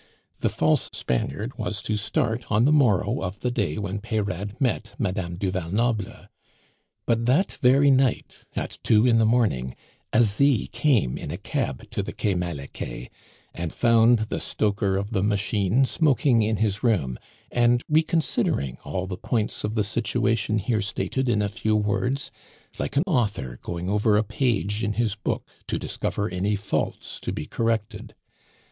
The false Spaniard was to start on the morrow of the day when Peyrade met Madame du Val Noble. But that very night, at two in the morning, Asie came in a cab to the Quai Malaquais, and found the stoker of the machine smoking in his room, and reconsidering all the points of the situation here stated in a few words, like an author going over a page in his book to discover any faults to be corrected.